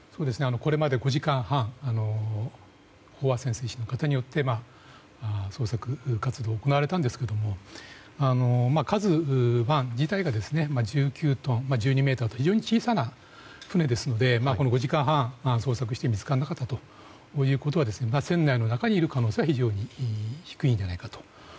これまでも飽和潜水士の方によって捜索活動が行われたんですけど「ＫＡＺＵ１」自体が１２ｍと非常に小さな船なので５時間半も捜索して見つからなかったということは船内の中にいる可能性は非常に低いかと。